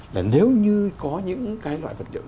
là nếu như có những cái loại vật liệu